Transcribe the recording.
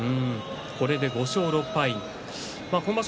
これで５勝６敗今場所